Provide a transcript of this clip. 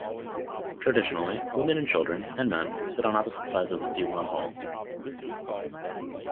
Traditionally, women and children, and men sit on opposite sides of the diwan hall.